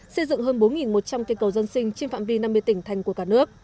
xây dựng hơn bốn một trăm linh cây cầu dân sinh trên phạm vi năm mươi tỉnh thành của cả nước